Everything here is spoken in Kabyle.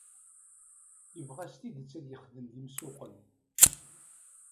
Yebɣa s tidet ad yexdem d imsuqqel.